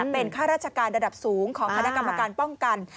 เป็นข้าราชการระดับสูงของคณะกรรมการป้องกัน